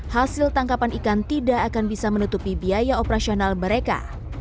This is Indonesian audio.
hasil tangkapan ikan tidak akan bisa menutupi biaya operasional mereka